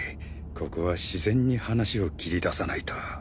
ここは自然に話を切り出さないと